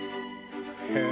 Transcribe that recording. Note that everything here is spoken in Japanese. へえ。